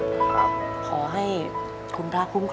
โดยโปรแกรมแม่รักลูกมาก